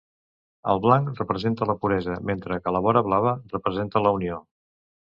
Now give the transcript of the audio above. El blanc representa la puresa, mentre que la vora blava representa la Unió.